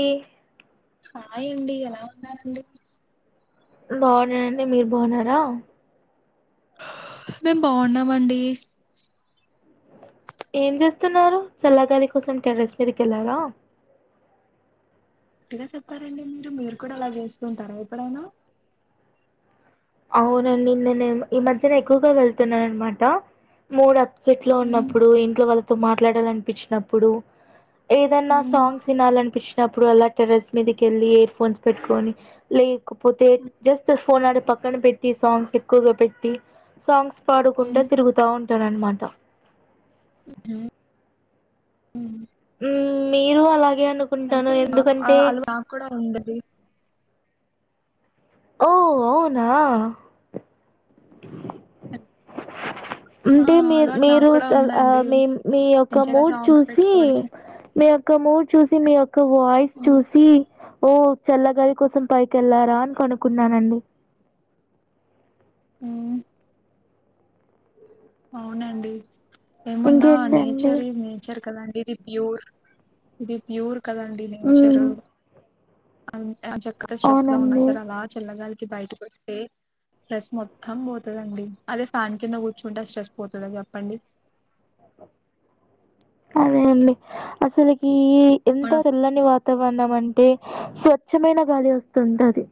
ఏ. Hi అండి ఎలా ఉన్నారండి. బాగున్ననండి మీరు బాగున్నారా. మేం బాగున్నామండి. ఏం చేస్తున్నారు చల్ల గాలి కోసం టెరెస్ మీదికి వెళ్ళావా. కరెక్ట్ గా చెప్పారండి మీరు కూడా ఇలా చేస్తుంటారా ఎప్పుడైనా. అవునండి నేను ఈ మ మధ్యనే ఎక్కువగా వెళ్తున్నాను అనమాట మూడు. సెట్ లో ఉమ్ ఉన్నప్పుడు ఇంట్లో వాళ్ళతో మాట్లాడాలనిపించినప్పుడు. ఏదన్నా ఉమ్ సాంగ్స్ వినాలనిపించి. అప్పుడు అలా టెరెస్ మీదకి వెళ్ళి ఇయర్ ఫోన్స్ పెట్టుకని లేకపోతే జస్ట్ ఫోన్ ఆడ పక్క. పక్కన పెట్టి సాంగ్స్ ఎక్కువగా పెట్టి సాంగ్స్ పాడుకుంటూ ఉమ్ తిరుగుతా ఉంటా. అనమాట. ఉమ్ ఉమ్. ఉమ్ మీరు అలాగే అనుకుంటాను అయితే ఆ ఎందుకంటే. అలవా నాకు కూడా ఉందది ఓ అవునా. ఆ ఉంటే మీరు అలవాటు నాకు మీరు కూడా మీ ఉందండి ఆహ్ మీ యొక్క మంచిగా మూడ్ సాంగ్స్ చూసి. పెట్టుకొని మీ యొక్క మూడ్చూసి మీ యొక్క వాయిస్ ఉమ్ చూసి. ఓహో చల్లగాలి కోసం పైకి వెళ్లారా అని కనుకున్నానండి. ఉమ్. అవునండి ఏమున్నా ఇంకేంటండి? నేచర్ ఈజ్ నేచరే కదాండి. ఇది ప్యూర్ ఇది ప్యూర్ కదండి నేచర్ హ్మ్. ఆహ్. చక్కగా స్ట్రెస్ లో ఉన్నా అవునండి. సారే అలా చల్లగాలికి. బయటికి వస్తే స్ట్రెస్ మొత్తం పోతదండి అదే ఫ్యాన్ కింద కూర్చు. కుంట స్ట్రెస్ పోతద చెప్పండి. అదే అండి అసలకి ఎంత మనం చల్లని వాతావరణం అంటే. అంటే స్వచ్ఛమైన గాలి వస్తుంటది.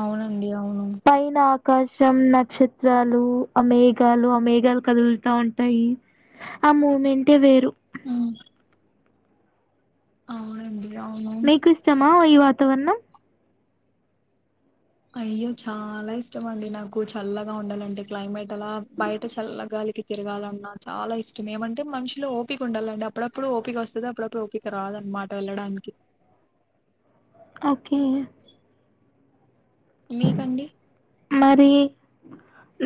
అవునండి అవును. పైనా. ఆకాశం నక్షత్రాలు ఆ మేఘాలు ఆ మేఘాలు కదులుతా ఉంటాయి. ఆహ్ మూమెంటే వేరు. ఉమ్. అవునండి. అవును మీకు ఇష్టమా ఈ వాతావరణం. అయ్యో చాలా ఇష్టం అండి నాకు చల్లగా ఉండాలంటే క్లైమేట్. ఆహ్ బయట చల్లగాలికి. తిరగాలన్న చాలా ఇష్టం ఏమంటే మనుషులకి ఓపిక ఉండాలండి అప్పుడప్పుడు ఓపిక వస్తది అప్పుడప్పుడు ఓపకి రాదు. మాట వెళ్ళడానికి. ఓకే. మీకండి. మరి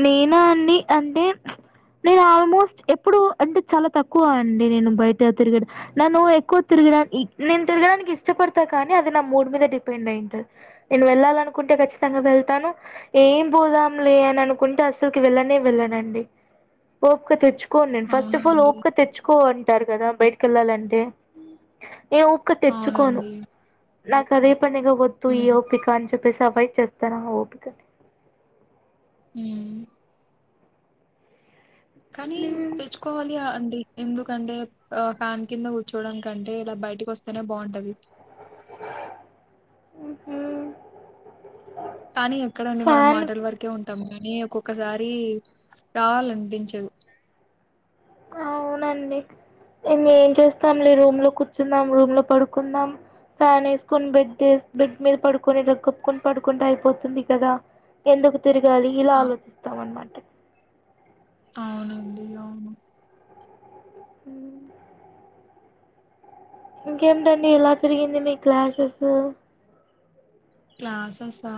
నేనా అండి అన్ని అంటే. నేను ఆల్మోస్ట్ ఎప్పుడు అంటే చాలా తక్కువ అండి నేను బయట తిరగాడం నన్ను ఎక్కువ తిరు. నేను తిగడానికి ఇష్టపడతా కానీ అది నా మూడు మీద డిపెండ్ అయింటంది నేను వెళ్ళాలనుకుంటే. ఖచ్చితంగా వెళ్తాను. ఏం పోదాంలే అని అనుకుంటే అసలుకి వెళ్ళనే వెళ్ళనండి ఓపిక తెచ్చు. కో నేను ఫస్ట్ అవునా ఆఫ్ ఆల్ అండి ఓపీక తెచ్చుకోంటారు కదా బయటికేళ్ళాలంటే ఏ ఒక్క తెచ్చుకోను అవునండి నాకు అదే పనిగ వద్దు ఈ ఉమ్ ఓపిక అని చెప్ ప్పేసి అభైక్ చెప్తను అ ఓపికని మ్ కానీ తెచ్చుకోవాలి అండి ఎందుకంటే ఫ్యాన్ కింద కూర్చోడం కంటే ఇలా బయటికి వస్తేనే బాగుంటది మ్ హు కానీ ఎక్కడండి మనం మాటల వరకే ఉం తమ్ కాని ఒక్కొక్కసారి రావాలనిపించదు అవునండి ఇంగ ఏం చేస్తాం లే రూమ్ లో కూర్చుందాం రూమ్ లో పడుకుందాం ఫ్యాన్ వేసుకొని బెడ్ బెడ్ మీద పడుకొని ఇలా కప్పుకుొని పడుకుంటే అయిపోతుంది కదా ఎందుకు తిరగాలి ఇలా ఆ ఆలోచిస్తాం అనమాట అవునండి అవును మ్ ఇంకేమిటండి ఏలా జరిగింది మీ క్లాసెస్ క్లాసెస్ా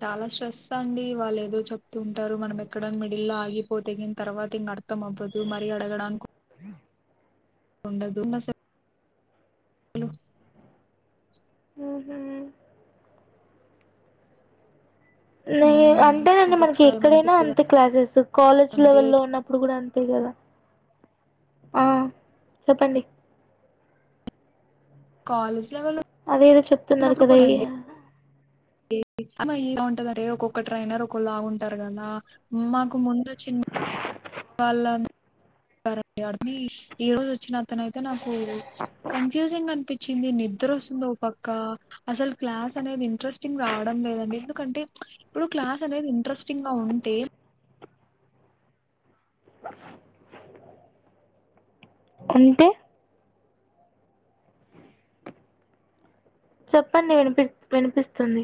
చాలా స్ట్రెస్ అండి వాళ్ళు ఏదో చెప్తుంటారు మనం ఎక్కడ మిడిల్ ల్లా ఆగిపోతేగిన తర్వాత ఇంగ అర్థం అవ్వదు మరీ అడగడాను [inaudible] ఉండదు అసలు మ్ హు లే ఉమ్ అంతెనండి మనకి ఒక్కొక్కసారి ఎక్కడైనా ఏమనిపిస్తది అంతే క్లాసెస్ కాలేజ్ అంటే లెవెల్ లో ఉన్నప్పుడు కూడా అంతే కద్ ద ఆ చెప్పండి కాలేజ్ లెవల్ అదే ఏదో చెప్తున్నారు కదా అ అమ్ ఎలా ఉంటదంటే ఒక్కొక్క ట్రైనర్ ఒకలాగుంటారు కదా మాకు ముందుచ్చిన వాళ్ళని ఈ రోజు వచ్చిన అతనయితే నాకు కన్ఫ్యూజింగ్ అనిపి చ్చింది నిద్ర వస్తుంది ఒక పక్క అసలు క్లాస్ అనేది ఇంట్రెస్టింగ్ రావడం లేదండి ఎందుకంటే ఇప్పుడు క్లాస్ అనేది ఇంట్రెస్టింగ్ గా ఉంటే అంటే చెప్పండి వినిపి వినిపిస్తుంది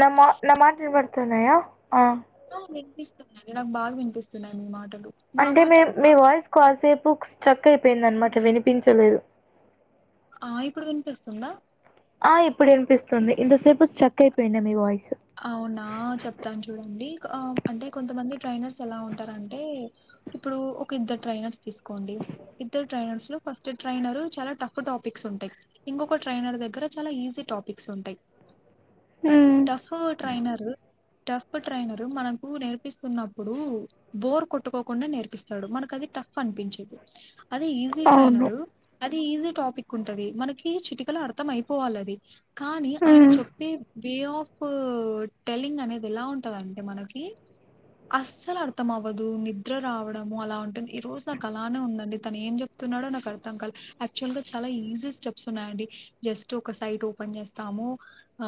న మా న మాటలు వినపడుతున్నాయా ఆ ఆ వినిపిస్తున్నాండి నాకు బాగా వినిపిస్తున్నాయి మీ మాట మాటలు మా అంటే మే మీ వాయిస్ కాసేపు స్ట్రక్ అయిపోయిందన్నమాట వినిపించలేదు ఆ ఇప్పుడు వినిపిస్తుందా ఆ ఇప్పుడు వినిపిస్తుంది ఇంత సేపు స్ట్రక్ అయిపోఇండే మీ వాయిస్ అవునా చెప్తాను చూడండి అంటే కొంతమంది ట్రైనర్స్ ఎలా ఉంటారంటే ఇప్పుడు ఒక ఇద్దరు ట్రైనర్స్ తీసుకోండి ఇద్దరు ట్రైనర్స్ లో ఫస్ట్ ట్రైనర్ చాలా టఫ్ టాపిక్ సుంటాయి ఇంకొక ట్రైనర్ దగ్గర చాలా ఈజీ టాపిక్స్ ఉంటాయి మ్ సో ట్రైనరు టఫ్ ట్రైనర్ మనకు నేర్పిస్తున్నప్పుడు బోర్ కొట్టుకోకుండా నేర్పిస్తాడు మనకు అది ట ఫ్ అనిపించదు అది ఈజీ అవును ట్రైనర్ అది ఈజీ టాపిక్ ఉంటాది మనకి చిటికలో అర్థం అయిపోవాలి అది కానీ ఆయన ఉమ్, చెప్పే వే ఆఫ్ ఫ్ టెల్లింగ్ అనేద్ ఎలా ఉంటదంటే మనకి అస్సల్ అర్థం అవ్వదు నిద్ర రావడము అలా ఉంటుంది. ఈ రోజు నాకు అలానే ఉందండి తను ఏం చెప్తు న్నాడో నాక్ అర్థం కాలే యాక్చువల్గా చాలా ఈజీ స్టెప్స్ ఉన్నాయండి జస్ట్ ఒక సైట్ ఓపెన్ చేస్తాము. ఆ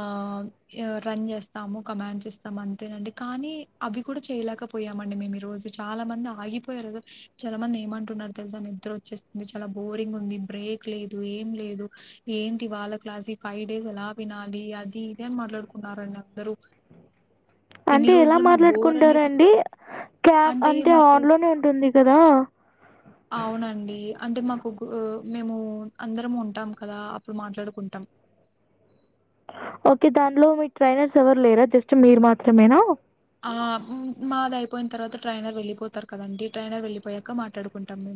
యా రన్ చేస్తాము కమాండ్స్ ఇస్తాం అంతేనండి కానీ అవి కూడా చేయలేకపోయామండి మేం ఈ రోజ్ చాలా మంది ఆగిపోయారు చాలా మంది ఏమంటున్నార్ తెల్సా నిద్ర వచ్చేస్తుంది చాలా బోరింగ్ ఉంది బ్రే బ్రేక్ లేదు ఏం లేదు ఏంటి వాళ్ళ క్లాస్ ఈ ఫైవ్ డేస్ ఎలా వినాలి అది ఇది అని మాట్ మాట్లాడ్కున్నారండి అందరూ ఇన్ని అంటే ఎలా రోజులు మాకు బోర్ అనేది మాట్లాడుకుంటారండి? క్యామ్ అంటే ఆన్లోనే ఉంటుంది కదా అవునండి అంటే మాకు కు మేము అందరము ఉంటాం కదా అప్పుడు మాట్లాడుకుంటాం. ఓకే దాన్లో మీక్ ట్రైనర్స్ ఎవరు లేరా జస్ట్ మీరు మాత్రమేనా ఆ మాదైపోయిన్ తర్వాత ట్రైనర్ వెళ్లిపోతారు కదండి ట్రైనర్ వెళ్ళిపోయాక మాట్లాడుకుంటాము.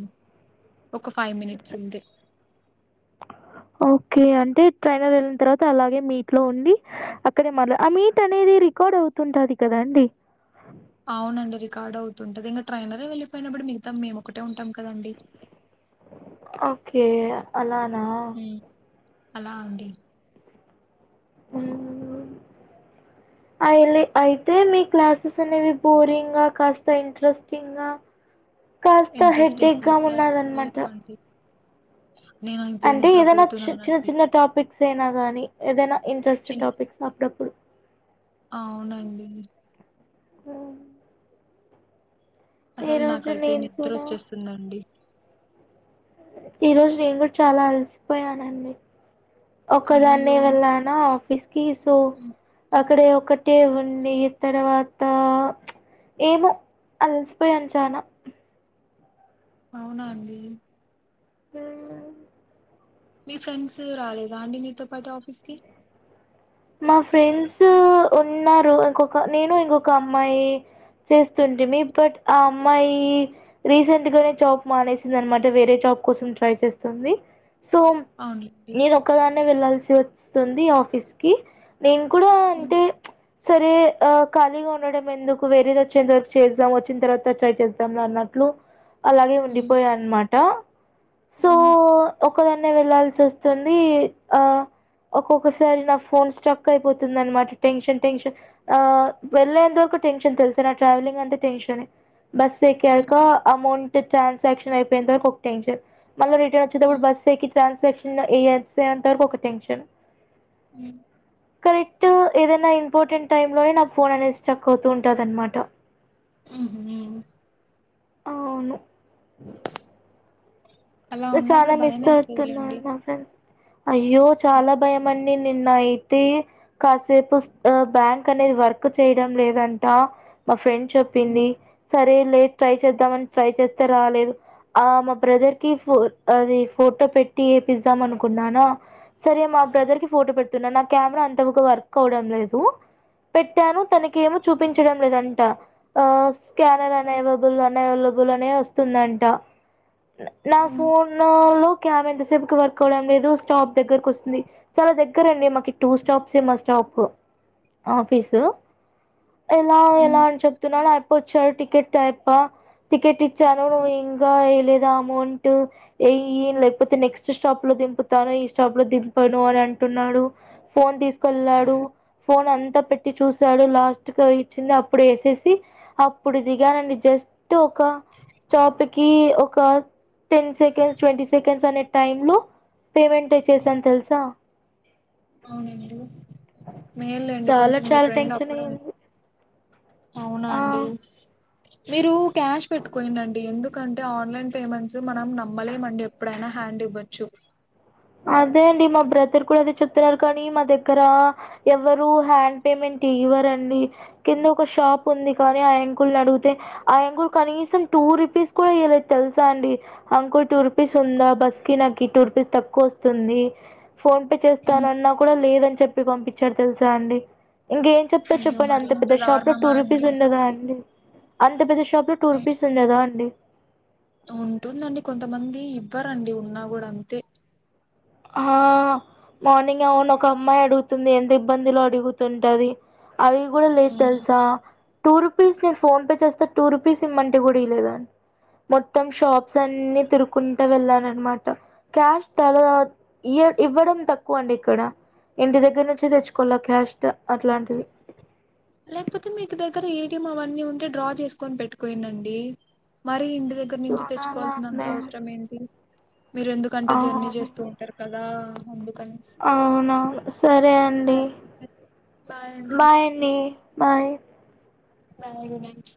ఒక ఫైవ్ మినిట్స్ ఉండే [inaudible] ఓకే అంటే ట్రైనర్ ఎళ్ళిన్ తర్వాత అలాగే మీట్లో ఉండి అక్కడే మాట్లాడ్ ఆ మీట్ అనేది రి రికార్డ్ అవుతుంటాది కదండి. అవునండి రికార్డ్ అవుతుంటది. ఇంగ ట్రైనరే వెళ్ళలిపోయినప్పుడు మిగతా మేం ఒకటే ఉంటాం కదండీ! ఓకే అలాన్ మ్ అలా అండి మ్ హ్ అయిలె అయితే మీ క్లాసెస్ అనేవి బోరింగా కాస్త ఇంట్రెస్టింగా ఇంట్రెస్టింగ్ అయితే అస్సల్ లేవండి. నేనైతే అంటే ఏదైన చి చిన్న నిద్రపోతున్నానండి. చిన్న టాపిక్స్ అయినా గానీ ఏదైనా ఇంట్రెస్ట్ చిన్ టాపిక్స్ అప్పుడప్పుడు అవునండి. ఆ అసల్ నాకైతే నేను కూడా నిద్రొచ్చేస్తుందండి. ఈ రోజు నేన్ గుడ చాలా అలసిపోయానండి. ఒకదాన్నే అయ్యయ్యో! వెళ్ళాన ఆఫీస్కి సో హ్మ్. హ్మ్. అక్కడే ఒక టీ ఉండి తర్వాతా ఏమో అలసిపోయాన్ చాలా అవునా అండి హ్మ్ మీ ఫ్రెండ్స్ రాలేదా అండి మీతో పాటు ఆఫీస్కి? మా ఫ్రెండ్స్ ఉన్నారు. ఇంకొక నేను ఇంకొక అమ్మాయీ చేస్తుంటిమీ బట్ ఆ అమ్ మ్మాయి రీసెంట్గానే జాబ్ మానేసిందన్నమాట వేరే జాబ్ కోసం ట్రై చేస్తుంది. సో అవునులేండి నేన్ ఒక్కదాన్నే వెళ్లాల్సి వస్తుంది ఆఫీస్కి నేన్ కూడా అ అంటే సరే ఆ ఖాళీగా ఉండడం ఎందుకు వేరేది వచ్చేంత వరకు చేద్దాం వచ్చిన్ తర్వాత ట్రై చేద్దాంలె అన్న ట్లు అలాగే ఉండిపోయాన్నమాట. అమ్ ఒక్కదాన్నే వెళ్లాల్సి వస్తుందీ ఆ ఒక్కొక్కసారి నా ఫోన్ స్టక్ అయిపోతుంది అనమాట టెన్షన్ టెన్షన్ వెళ్ళలేంత వరకు టెన్షన్ తెలుస నా ట్రావెలింగ్ అంటే టెన్షనే బస్ హ్మ్ ఎక్కాక అమౌంట్ ట్రాన్సాక్షన్ అయిపోయెంత వరకు ఒక టెన్షన్ మళ్ళ రిటర్న్ వచ్చేటప్పుడు హ్మ్ బస్ ఏక్కి ట్రాన్సాక్షన్ అయ్యే అంత వరకు ఒక టెన్షన్ మ్ కరెక్ట్ ఏదైనా ఇంపార్టెంట్ టైమ్ లోనే నా ఫోన్ అనేది స్టక్ అవుతూ ఉంటదన్న మాట మ్ హు అవును అలా చాలా ఉన్నప్పుడు మిస్ అవుతున్నా భయమేస్తదిలేండి మా ఫ్రెండ్ అయ్యో చాలా భయమండి నిన్న అయితే కాసేపు బ్యాంక్ అనేది వర్క్ చేయడం లేదంటా మా ఫ్రెండ్ చెప్పింది సరే లే ట్రై చేద్దాంమని ట్రై చేస్తే రాలేదు ఆ మా బ్రదర్ ఫ అది ఫోటో పెట్టి ఏపిద్దాం అనుకున్నానా సరే మా బ్రదర్ కి ఫోటో పెట్ తున్న నా కెమెరా అంత వగ్ వర్క్ అవ్వటడం లేదు పెట్టాను తనక్ కేమో చూపించడం లేదంట అ స్కానర్ అన్ అవైలబుల్ అన్ అవైలబ్ లనే వస్తుందంట నా ఫోన్ లో ఆమె ఎంతసేపుకి వర్క్ అవడం లేదు స్టాప్ దగ్గరకు వస్తుంది చాలా దగ్గర అండి మా టూ స్టాప్స్ ఏ మా స్టాప్ ఆఫీసు ఎలా ఎలా అని చెప్తున్నాడు వచ్చాారు టికెట్ టైప్ప టికెట్ ఇచ్చాను నువ్వు ఇంకా వెలేద అమోన్ ట్ ఏయ్ లేకపోతే నెక్స్ట్ స్టాప్ లో దింపుతాను ఈ స్టాప్ లో దింపాను అని అంటున్నాడు ఫోన్ తీసుకెళ్లాడు ఫోన్ అంతా పెట్టి చూసాడు లాస్ట్ క ఇచ్చింది అప్పుడు వేసేసి అప్పుడు దిగానండి జస్ టు అ ఒక స్టాప్కిికి ఒక టెన్ సెకండ్స్ ట్వంటీ సెకండ్స్ అనే టైమ్ లో పేమెంట్ వచ్చసాను తెలుసా అవునండి మేల్ండి చాలా కొంచెం మీ చాలా ఫ్రెండ్ టెన్షన్ అప్పుడు అయ్యింది అవునా ఆ అండి మీరు క్యాష్ పెట్టుకొండి అండి ఎందుకంటే ఆన్లైన్ పేమెంట్స్ మనం నమ్మలేమండి ఎప్పుడైనా హ్యాండ్ ఇవ్వొచ్చు అదే అండి మా బ్రదర్ కూడా అదే చెప్తున్నారు కానీ మా దగ్గర ఎవ్వరు హ్యాండ్ పేమెంట్ ఇయ్య వరండి కింద ఒక షాప్ ఉంది కానీ ఆయంకుల్ని అడిగితే ఆయంకుల్ కనీసం టూ రు పిస్ కూడా ఈయ్యలేదు తెలుసా అండి అంకుల్ టూర్పీస్ ఉందా బస్ కి నాకి టూర్పీస్ తక్ వస్తుంది ఫోన్ పే హ్మ్. చేస్తానన్నా కూడా లేదని చెప్పి పంపించారు తెలుసా అండి ఇంకేం చెప్తారు అయ్యో చెప్పండి మరి అంత ఇంత పెద్ద షాప్ లో టూ దారుణమా రూపీస్ అండి ఉడదాండి అంత పెద్ద షా షాప్ లో టూ అ రూపీస్ ఉండదా అండి ఉంటుందండి కొంతమంది ఇవ్వరండి ఉన్నా కూడా అంతే ఆ మార్నింగ్ అవున్ ఒక అమ్మాయి అడుగుతుంది ఎంత ఇబ్బందిలో అడుగుతుంటది అవి కూడా లేదు హ్మ్. తెలుసా టూర్ రూపీస్ నేను ఫోన్ పే చేస్తా టూ రూపీస్ ఇమ్మంటే కూడా ఇయలేదండి మొత్తం షాప్స్ అన్ని తిరుకుంటూ వెళ్ళాన్ననమాట క్యాష్ తల ఇ ఇవ్వడం తక్కువ అండి ఇక్కడ ఇంటి దగ్గర నుంచి తెచ్చుకోవాల క్యాస్ట్ అట్లాంటివి లేకపోతే మీకు దగ్గర ఏటీఎం అవన్నీ ఉంటే డ్రా చేసుకొని పెట్టుకోయిన అండి మరి ఇందు దగ్గర్ నుంచి చూడాలా తెచ్చుకోవాల్సినంత అండి అవసరం ఏంటి? మీరెందుకంటే జర్నీ చేస్తూ ఉంటరు కదా అందుక్ అవునా సరే అండి సరే బాయ్ అండి. Bye bye good night